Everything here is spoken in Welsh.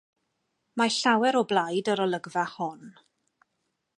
Mae llawer o blaid yr olygfa hon.